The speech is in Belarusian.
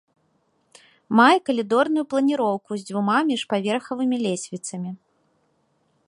Мае калідорную планіроўку з дзвюма міжпаверхавымі лесвіцамі.